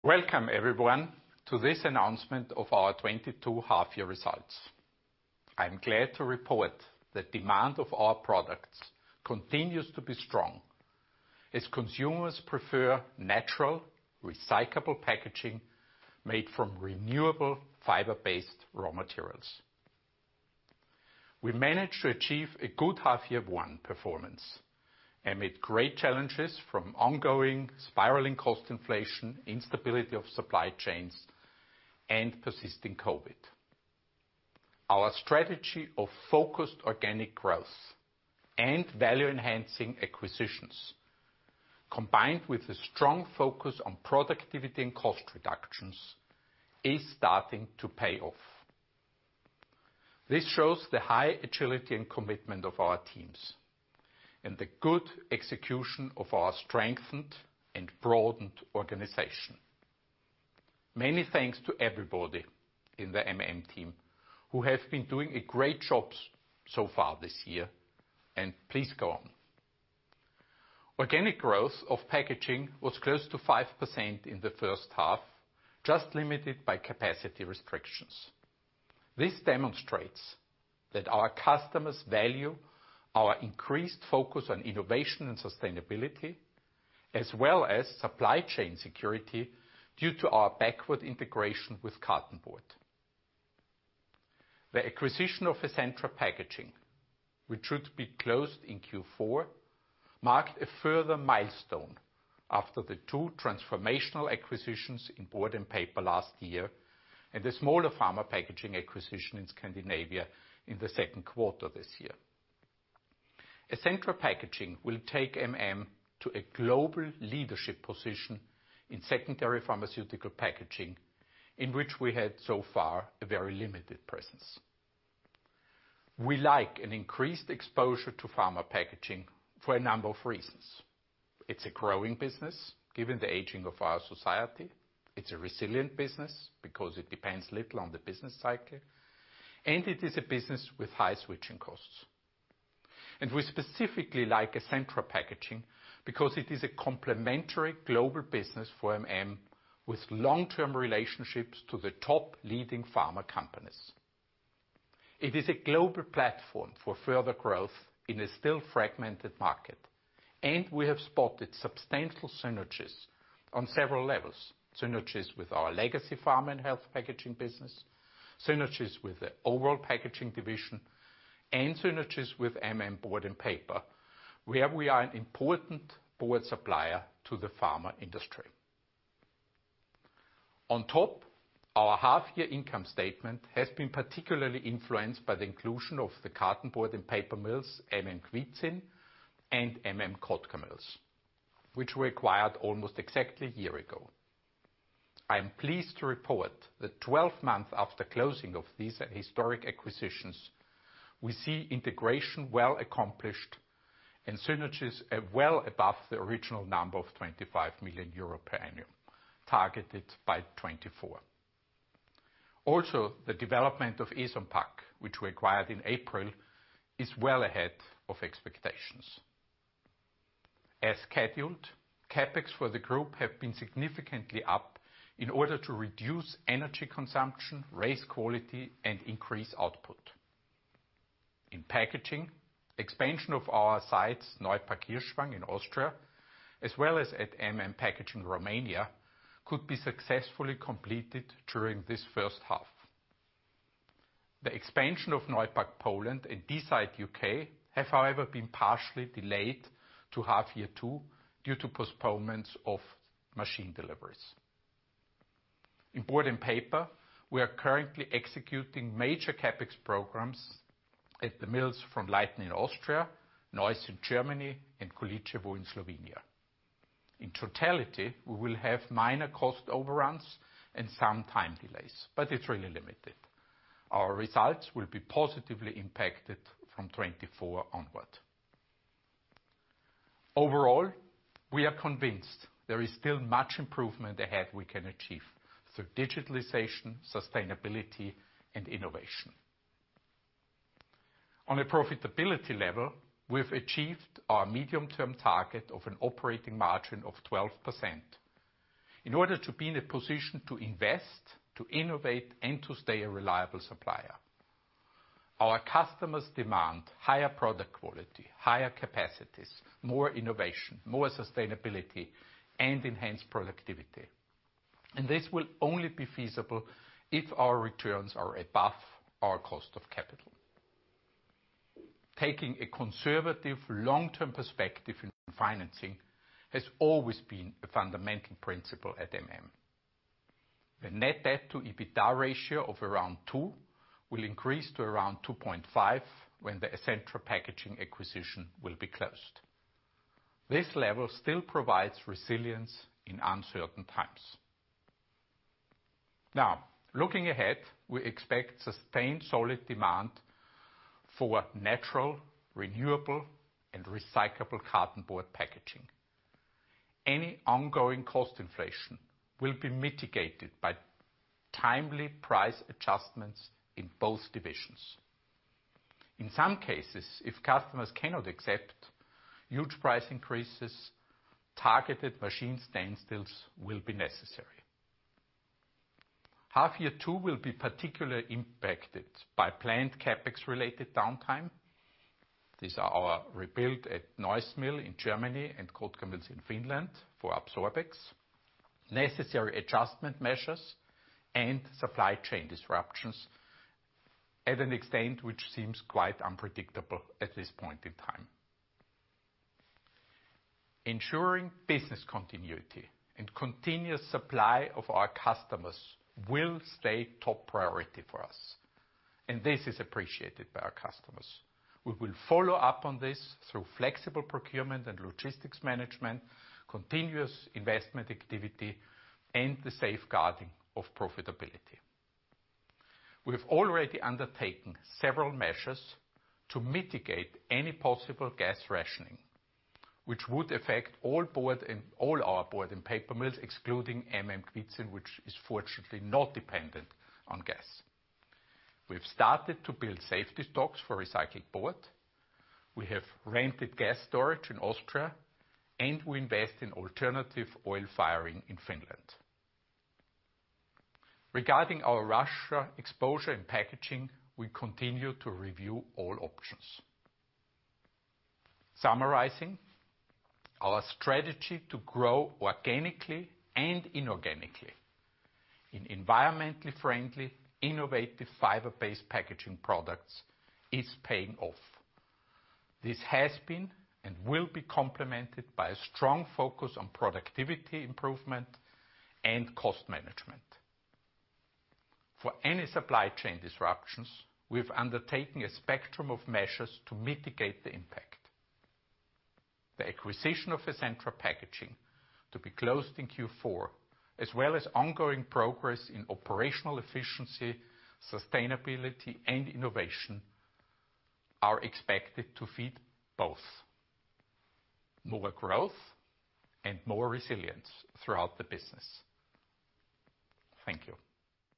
Welcome everyone to this announcement of our 2022 half-year results. I'm glad to report that demand of our products continues to be strong as consumers prefer natural, recyclable packaging made from renewable fiber-based raw materials. We managed to achieve a good half-year one performance amid great challenges from ongoing spiraling cost inflation, instability of supply chains, and persisting COVID. Our strategy of focused organic growth and value-enhancing acquisitions, combined with a strong focus on productivity and cost reductions, is starting to pay off. This shows the high agility and commitment of our teams and the good execution of our strengthened and broadened organization. Many thanks to everybody in the MM team who have been doing a great job so far this year, and please go on. Organic growth of packaging was close to 5% in the first half, just limited by capacity restrictions. This demonstrates that our customers value our increased focus on innovation and sustainability, as well as supply chain security due to our backward integration with cartonboard. The acquisition of Essentra Packaging, which should be closed in Q4, marked a further milestone after the two transformational acquisitions in board and paper last year, and the smaller pharma packaging acquisition in Scandinavia in the second quarter this year. Essentra Packaging will take MM to a global leadership position in secondary pharmaceutical packaging in which we had so far a very limited presence. We like an increased exposure to pharma packaging for a number of reasons. It's a growing business, given the aging of our society. It's a resilient business because it depends little on the business cycle, and it is a business with high switching costs. We specifically like Essentra Packaging because it is a complementary global business for MM with long-term relationships to the top leading pharma companies. It is a global platform for further growth in a still fragmented market. We have spotted substantial synergies on several levels, synergies with our legacy pharma and health packaging business, synergies with the overall packaging division, and synergies with MM Board & Paper, where we are an important board supplier to the pharma industry. On top, our half-year income statement has been particularly influenced by the inclusion of the cartonboard and paper mills, MM Kwidzyn and MM Kotkamills, which we acquired almost exactly a year ago. I am pleased to report that 12 months after closing of these historic acquisitions, we see integration well accomplished and synergies at well above the original number of 25 million euro per annum, targeted by 2024. Also, the development of Essentra Packaging, which we acquired in April, is well ahead of expectations. As scheduled, CapEx for the group have been significantly up in order to reduce energy consumption, raise quality, and increase output. In packaging, expansion of our sites, Neupack Kirchberg in Austria, as well as at MM Packaging Romania, could be successfully completed during this first half. The expansion of MMP Neupack Poland and MM Packaging Deeside have however been partially delayed to half year two due to postponements of machine deliveries. In Board and Paper, we are currently executing major CapEx programs at the mills from Frohnleiten in Austria, Neuss in Germany, and Količevo in Slovenia. In totality, we will have minor cost overruns and some time delays, but it's really limited. Our results will be positively impacted from 2024 onward. Overall, we are convinced there is still much improvement ahead we can achieve through digitalization, sustainability, and innovation. On a profitability level, we've achieved our medium-term target of an operating margin of 12% in order to be in a position to invest, to innovate, and to stay a reliable supplier. Our customers demand higher product quality, higher capacities, more innovation, more sustainability, and enhanced productivity. This will only be feasible if our returns are above our cost of capital. Taking a conservative long-term perspective in financing has always been a fundamental principle at MM. The net debt to EBITDA ratio of around 2 will increase to around 2.5 when the Essentra Packaging acquisition will be closed. This level still provides resilience in uncertain times. Now, looking ahead, we expect sustained solid demand for natural, renewable, and recyclable cartonboard packaging. Any ongoing cost inflation will be mitigated by timely price adjustments in both divisions. In some cases, if customers cannot accept huge price increases, targeted machine standstills will be necessary. Half year two will be particularly impacted by planned CapEx related downtime. These are our rebuild at Neuss Mill in Germany and Kotkamills in Finland for Absorbex, necessary adjustment measures and supply chain disruptions to an extent which seems quite unpredictable at this point in time. Ensuring business continuity and continuous supply of our customers will stay top priority for us, and this is appreciated by our customers. We will follow up on this through flexible procurement and logistics management, continuous investment activity, and the safeguarding of profitability. We have already undertaken several measures to mitigate any possible gas rationing, which would affect all our board and paper mills, excluding MM Kwidzyn, which is fortunately not dependent on gas. We've started to build safety stocks for recycled board. We have rented gas storage in Austria, and we invest in alternative oil firing in Finland. Regarding our Russia exposure and packaging, we continue to review all options. Summarizing, our strategy to grow organically and inorganically in environmentally friendly, innovative, fiber-based packaging products is paying off. This has been and will be complemented by a strong focus on productivity improvement and cost management. For any supply chain disruptions, we've undertaken a spectrum of measures to mitigate the impact. The acquisition of Essentra Packaging to be closed in Q4, as well as ongoing progress in operational efficiency, sustainability and innovation, are expected to feed both more growth and more resilience throughout the business. Thank you.